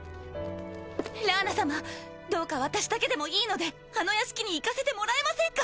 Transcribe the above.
ラーナ様どうか私だけでもいいのであの屋敷に行かせてもらえませんか？